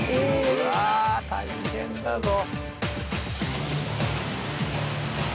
うわあ大変だぞ。